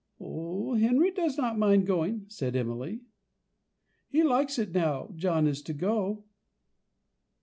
"Henry does not mind going," said Emily; "he likes it now John is to go."